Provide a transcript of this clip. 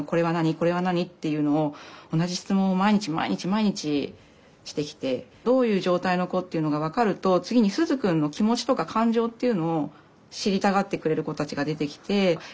これは何？っていうのを同じ質問を毎日毎日毎日してきてどういう状態の子っていうのが分かると次にすずくんの気持ちとか感情っていうのを知りたがってくれる子たちが出てきて「え？